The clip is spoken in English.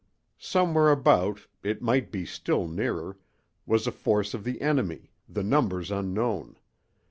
Somewhere about—it might be still nearer—was a force of the enemy, the numbers unknown.